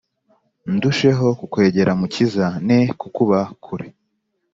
Ndusheho kukwegera mukiza ne kukuba kure